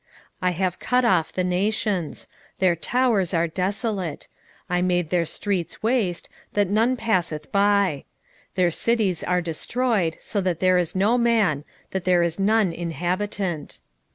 3:6 I have cut off the nations: their towers are desolate; I made their streets waste, that none passeth by: their cities are destroyed, so that there is no man, that there is none inhabitant.